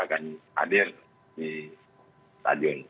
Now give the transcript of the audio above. dan hadir di stadion